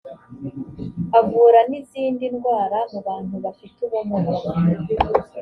avura n’izindi ndwara mu bantu bafite ubumuga